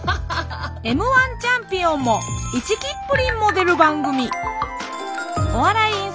Ｍ−１チャンピオンもイチキップリンも出る番組